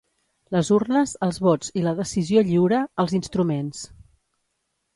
Les urnes, els vots i la decisió lliure, els instruments.